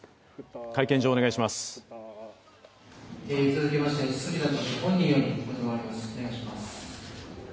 会見場、お願いします。